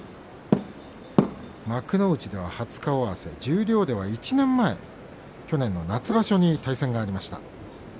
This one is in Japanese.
幕内では初顔合わせ十両では１年前去年の夏場所に顔が合いました。